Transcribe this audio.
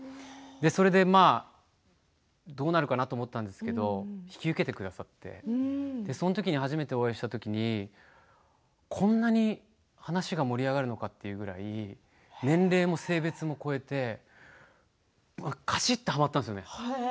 それでどうなるかなと思ったんですが引き受けてくださってそのときに初めてお会いしたときにこんなに話が盛り上がるのかっていうくらいに年齢も性別も超えてかちっと、はまったんですよね。